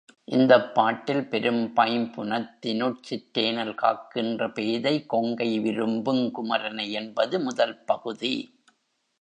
இந்தப் பாட்டில் பெரும்பைம் புனத்தினுட் சிற்றேனல் காக்கின்ற பேதை கொங்கை விரும்புங் குமரனை என்பது முதல் பகுதி.